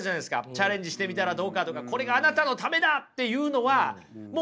チャレンジしてみたらどうかとかこれがあなたのためだっていうのはもう視点が高いですよね。